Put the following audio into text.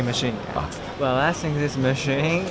saya rasa mesin ini menarik